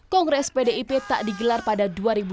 kongres pdip tak digelar pada dua ribu dua puluh